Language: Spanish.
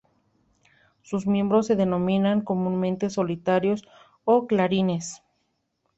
Sus miembros se denominan comúnmente solitarios o clarines.